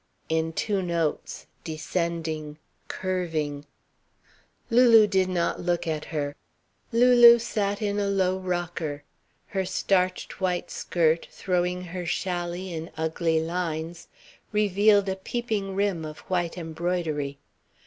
in two notes, descending, curving. Lulu did not look at her. Lulu sat in a low rocker. Her starched white skirt, throwing her chally in ugly lines, revealed a peeping rim of white embroidery.